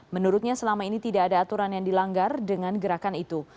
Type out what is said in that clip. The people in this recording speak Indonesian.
menurutnya selama ini tidak ada aturan yang dilanggar dengan gerakan itu